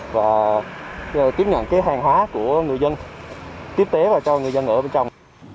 và tiếp nhận cái hàng hóa của người dân tiếp tế và cho người dân ở bên trong